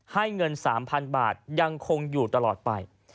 ให้เงิน๓๐๐๐บาทยังคงอยู่ตลอดไป